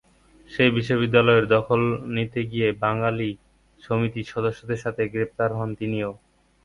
সেই বিদ্যালয়ের দখল নিতে গিয়ে বাঙালি সমিতির সদস্যদের সাথে গ্রেফতার হন তিনিও।